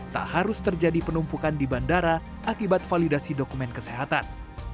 tak harus terjadi penumpukan di bandara akibat validasi dokumen kesehatan